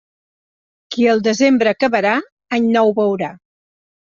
Qui el desembre acabarà, any nou veurà.